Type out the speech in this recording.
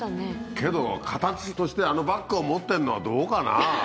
けど形としてあのバッグを持ってんのはどうかな。